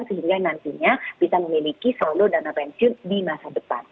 sehingga nantinya bisa memiliki solo dana pensiun di masa depan